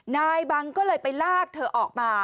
นายบังก็เลยไปลากเธอออกมา